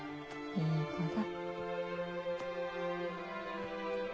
いい子だ。